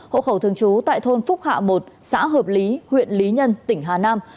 hộ khẩu thương chú tại thôn phúc hạ một xã hợp lý huyện lý nhân tỉnh hà nam